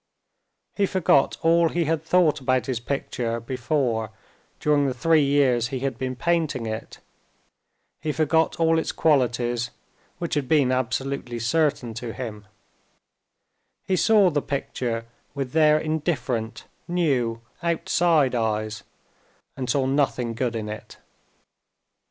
He forgot all he had thought about his picture before during the three years he had been painting it; he forgot all its qualities which had been absolutely certain to him—he saw the picture with their indifferent, new, outside eyes, and saw nothing good in it.